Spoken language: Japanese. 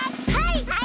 はい！